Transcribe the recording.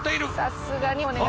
さすがにお願い